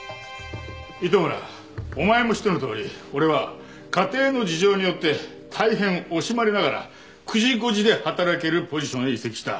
糸村お前も知ってのとおり俺は家庭の事情によって大変惜しまれながら９時５時で働けるポジションへ移籍した。